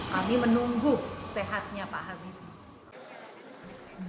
kami menunggu sehatnya pak habibie